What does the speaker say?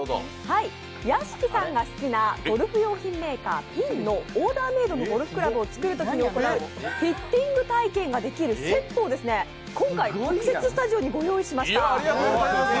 屋敷さんが好きなゴルフ用品メーカー・ＰＩＮＧのオーダーメイドのゴルフ倶楽部を作るときに使うフィッティング体験ができるセットを、今回特設スタジオにご用意しました。